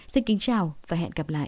xin kính chào và hẹn gặp lại